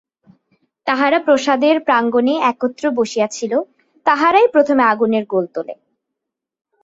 তাহারা প্রাসাদের প্রাঙ্গণে একত্র বসিয়াছিল, তাহারাই প্রথমে আগুনের গোল তোলে।